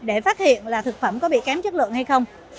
để phát hiện là thực phẩm có bị kém chất lượng hay không